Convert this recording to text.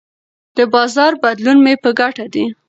د بازار بدلون مې په ګټه دی.